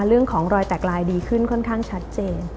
เรื่องของรอยแตกลายดีขึ้นค่อนข้างชัดเจน